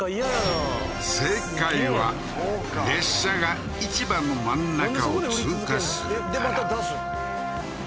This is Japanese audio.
正解は列車が市場の真ん中を通過するから